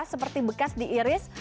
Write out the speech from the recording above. seperti bekas diiris